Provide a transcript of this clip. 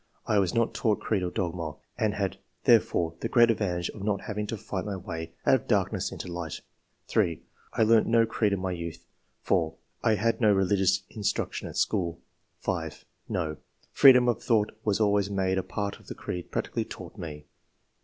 I was not taught creed or dogma, and had there fore the great advantage of not having to fight my way out of darkness into light." 3. "I learnt no creed in my youth." 4. " I had no religious instruction at school." 5. No; freedom of thought was always made a part of the creed practically taught me."